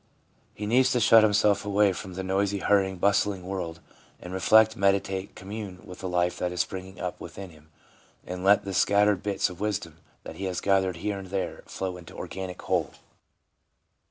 ' He needs to shut himself away from the noisy, hurrying, bustling world, and reflect, meditate, commune with the life that is springing up within him, and let the scattered bits of wisdom that he has gathered here and there flow into an organic whole.